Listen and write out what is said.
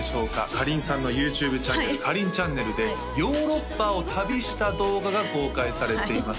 かりんさんのＹｏｕＴｕｂｅチャンネルかりんチャンネルでヨーロッパを旅した動画が公開されています